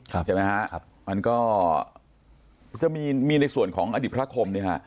ใช่ไหมครับมันก็จะมีในส่วนของอดิบพระคม